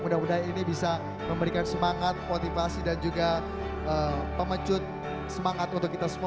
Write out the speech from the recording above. mudah mudahan ini bisa memberikan semangat motivasi dan juga pemecut semangat untuk kita semua